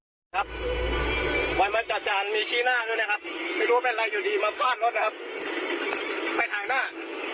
หนึ่งสองครับวันมันจัดจานมีชี้หน้าด้วยนะครับไม่รู้เป็นไรอยู่ดีมาพลาดรถนะครับไปถ่ายหน้า